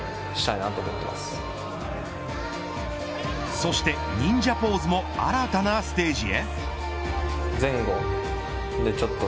そして忍者ポーズもあらたなステージへ。